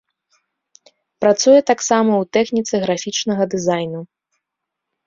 Працуе таксама ў тэхніцы графічнага дызайну.